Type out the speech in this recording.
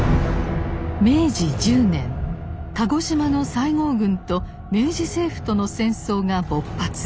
明治１０年鹿児島の西郷軍と明治政府との戦争が勃発。